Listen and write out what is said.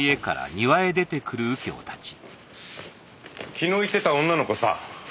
昨日言ってた女の子さ。